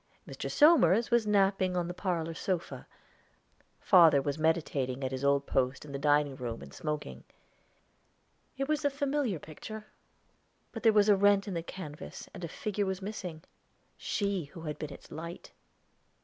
Mr. Somers was napping on the parlor sofa; father was meditating at his old post in the dining room and smoking. It was a familiar picture; but there was a rent in the canvas and a figure was missing she who had been its light!